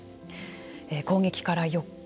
攻撃から４日。